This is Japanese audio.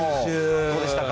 どうでしたか。